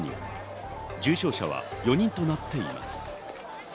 重症者は４人となっています。